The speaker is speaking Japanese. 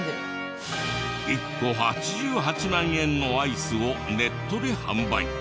１個８８万円のアイスをネットで販売。